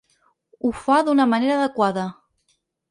Ho fa d’una manera adequada.